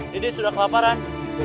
dedek sudah kelaparan